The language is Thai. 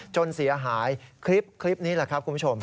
จนเสียหายคลิปนี้แหละครับคุณผู้ชม